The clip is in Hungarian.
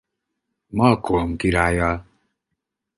Malcolm királlyal.